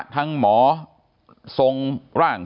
ทั้งหมอทรงร่าง